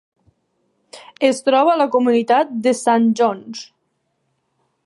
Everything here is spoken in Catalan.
Es troba a la comunitat de Saint Johns.